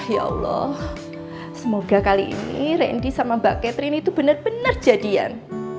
ya allah semoga kali ini randy sama mbak catherine itu benar benar jadian